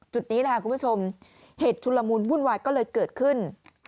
จุดนี้แหละคุณผู้ชมเหตุชุลมุนวุ่นวายก็เลยเกิดขึ้น